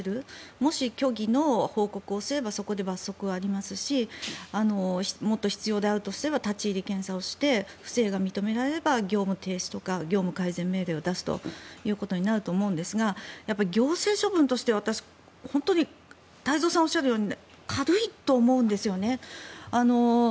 もし虚偽の報告をすればそこで罰則がありますしもっと必要であるとすれば立ち入り検査をして不正が認められれば業務改善命令を出すということになると思うんですが行政処分として太蔵さんがおっしゃるように軽いと思うんですよね。